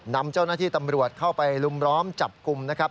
นำเจ้าหน้าที่ตำรวจเข้าไปลุมล้อมจับกลุ่มนะครับ